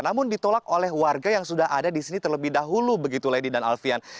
namun ditolak oleh warga yang sudah ada di sini terlebih dahulu begitu lady dan alfian